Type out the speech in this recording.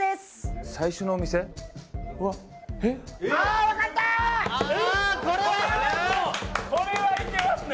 もうこれはいけますね。